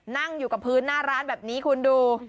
นั่งอยู่กับพื้นหน้าร้านแบบนี้คุณดู